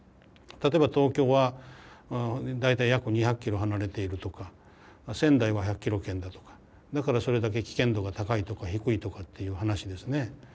例えば東京は大体約２００キロ離れているとか仙台は１００キロ圏だとかだからそれだけ危険度が高いとか低いとかっていう話ですね。